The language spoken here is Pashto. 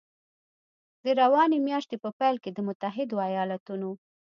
د روانې میاشتې په پیل کې د متحدو ایالتونو